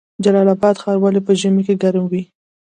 جلال اباد ښار ولې په ژمي کې ګرم وي؟